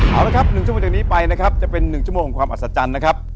เอาละครับ๑ชั่วโมงจากนี้ไปนะครับจะเป็น๑ชั่วโมงของความอัศจรรย์นะครับ